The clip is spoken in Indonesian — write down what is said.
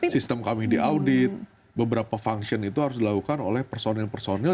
sistem kami diaudit beberapa function itu harus dilakukan oleh personil personil